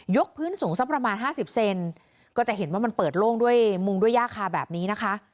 ยกพื้นสูงซักประมาณ๕๐ซีลก็จะเห็นว่ามันเปิดโลกด้วยมุมด้วยยากค่ะแบบนี้นะคะ